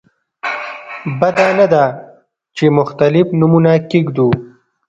بده نه ده چې مختلف نومونه کېږدو.